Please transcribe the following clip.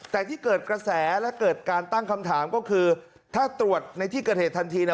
แต่ที่เกิดกระแสและเกิดการตั้งคำถามก็คือถ้าตรวจในที่เกิดเหตุทันทีนะ